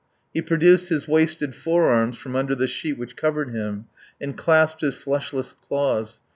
He produced his wasted forearms from under the sheet which covered him and clasped his fleshless claws.